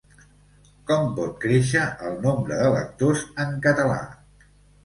Com pot créixer el nombre de lectors en català?